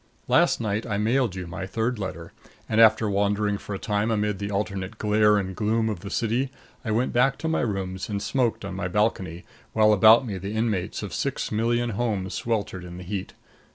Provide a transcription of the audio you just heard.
Last night I mailed you my third letter, and after wandering for a time amid the alternate glare and gloom of the city, I went back to my rooms and smoked on my balcony while about me the inmates of six million homes sweltered in the heat.